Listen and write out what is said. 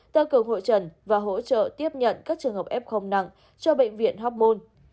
tăng cường hội trần và hỗ trợ tiếp nhận các trường hợp f nặng cho bệnh viện hóc môn